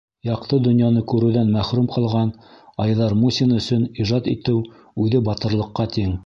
Яҡты донъяны күреүҙән мәхрүм ҡалған Айҙар Мусин өсөн ижад итеү үҙе батырлыҡҡа тиң.